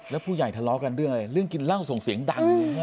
แล้วผู้ใหญ่ทะเลาะกันเรื่องอะไรเรื่องกินเหล้าส่งเสียงดัง